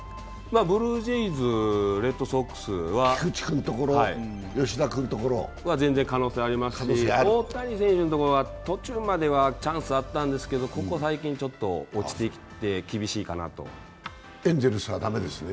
ブルージェイズ、レッドソックスは全然可能性ありますし、大谷選手のところは途中まではチャンスあったんですけど、ここ最近、ちょっと落ちてきてエンゼルスは駄目ですね？